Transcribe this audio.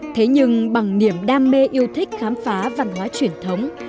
thế nhưng bằng niềm đam mê yêu thích khám phá văn hóa truyền thống